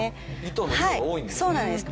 糸の量が多いんですね